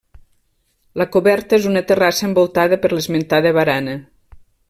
La coberta és una terrassa envoltada per l'esmentada barana.